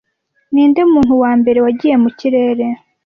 Ninde muntu wa mbere wagiye mu kirere